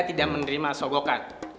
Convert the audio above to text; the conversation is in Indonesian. tidak menerima sobokan